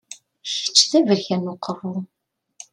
Kečč d aberkan n uqerru!